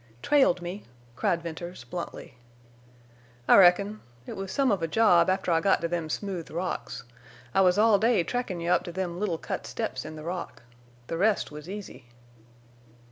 "Trailed me," cried Venters, bluntly. "I reckon. It was some of a job after I got to them smooth rocks. I was all day trackin' you up to them little cut steps in the rock. The rest was easy."